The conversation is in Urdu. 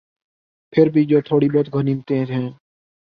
پھر بھی جو تھوڑی بہت غنیمتیں ہیں۔